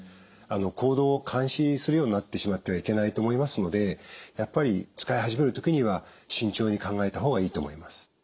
行動を監視するようになってしまってはいけないと思いますのでやっぱり使い始める時には慎重に考えた方がいいと思います。